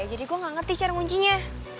jadi gue gak ngerti cara kuncinya